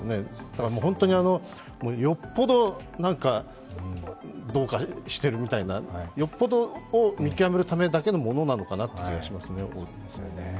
だから本当によっぽど何かどうかしているみたいな、よっぽどを見極めるためだけのものなのかなと思いますね。